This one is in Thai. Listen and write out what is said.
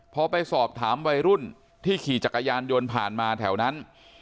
พอไปสอบถามวัยรุ่นที่ขี่จักรยานยนต์ผ่านมาแถวนั้น